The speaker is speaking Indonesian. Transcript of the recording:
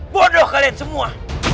bodoh kalian semua